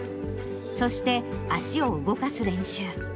そして、足を動かす練習。